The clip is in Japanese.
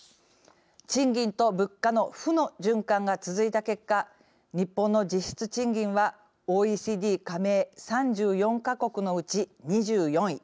賃金と物価の負の循環が続いた結果日本の実質賃金はＯＥＣＤ加盟３４か国のうち２４位。